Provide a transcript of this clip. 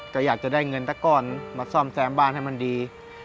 ก็อยากจะได้เงินสักก้อนมาซ่อมแซมบ้านให้มันดี